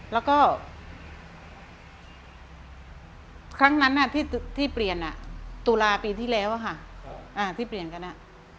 แล้วก็ครั้งนั้นที่เปลี่ยนตุลาปีที่แล้วค่ะที่เปลี่ยนกัน